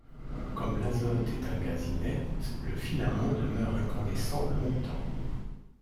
Comme l’azote est un gaz inerte, le filament demeure incandescent longtemps.